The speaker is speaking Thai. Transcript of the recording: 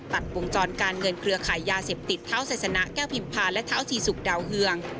ตัดวงจรการเงินเครือขายยาเสพติดเท้าไซสนะแก้วพิมพาและเท้าชีสุกดาวเฮือง